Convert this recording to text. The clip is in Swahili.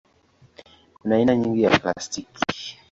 Kuna aina nyingi za plastiki.